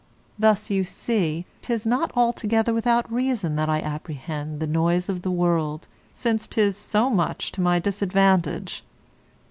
Thus you see 'tis not altogether without reason that I apprehend the noise of the world, since 'tis so much to my disadvantage.